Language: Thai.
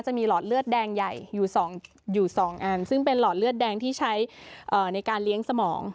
หลอดเลือดแดงใหญ่อยู่๒อันซึ่งเป็นหลอดเลือดแดงที่ใช้ในการเลี้ยงสมอง